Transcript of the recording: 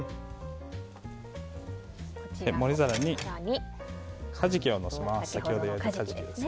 盛り皿にカジキをのせます。